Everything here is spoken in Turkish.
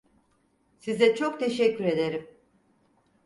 Size çok teşekkür ederim.